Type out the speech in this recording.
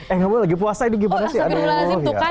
eh nggak boleh lagi puasa ini gimana sih